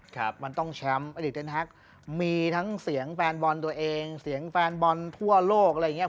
ครับมันต้องแชมป์อดีตเต้นแฮ็กมีทั้งเสียงแฟนบอลตัวเองเสียงแฟนบอลทั่วโลกอะไรอย่างเงี้